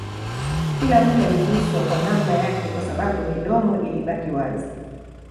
Kila mtu aliguswa kwa namna yake Kwa sababu midomo ilibaki wazi